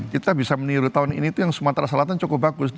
kita bisa meniru tahun ini itu yang sumatera selatan cukup bagus